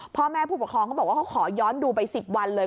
พ่อแม่ผู้ปกครองเขาบอกว่าเขาขอย้อนดูไป๑๐วันเลย